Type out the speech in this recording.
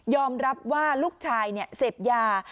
รับว่าลูกชายเสพยา